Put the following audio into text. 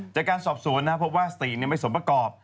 จากการสอบสวนนะครับเพราะว่าสตรีนี่ไม่สมประกอบ